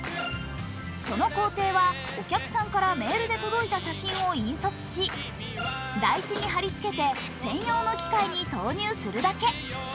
その工程はお客さんからメールで届いた写真を印刷し、台紙に貼り付けて専用の機械に投入するだけ。